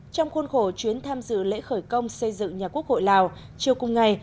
trong khuôn khổ chuyến tham dự lễ khởi công xây dựng nhà quốc hội lào chiều cùng ngày